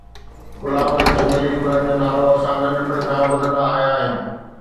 گلاب ۽ چنبيلي گلن جو نالو اسان ننڍپڻ کان ٻڌندا آيا آهيون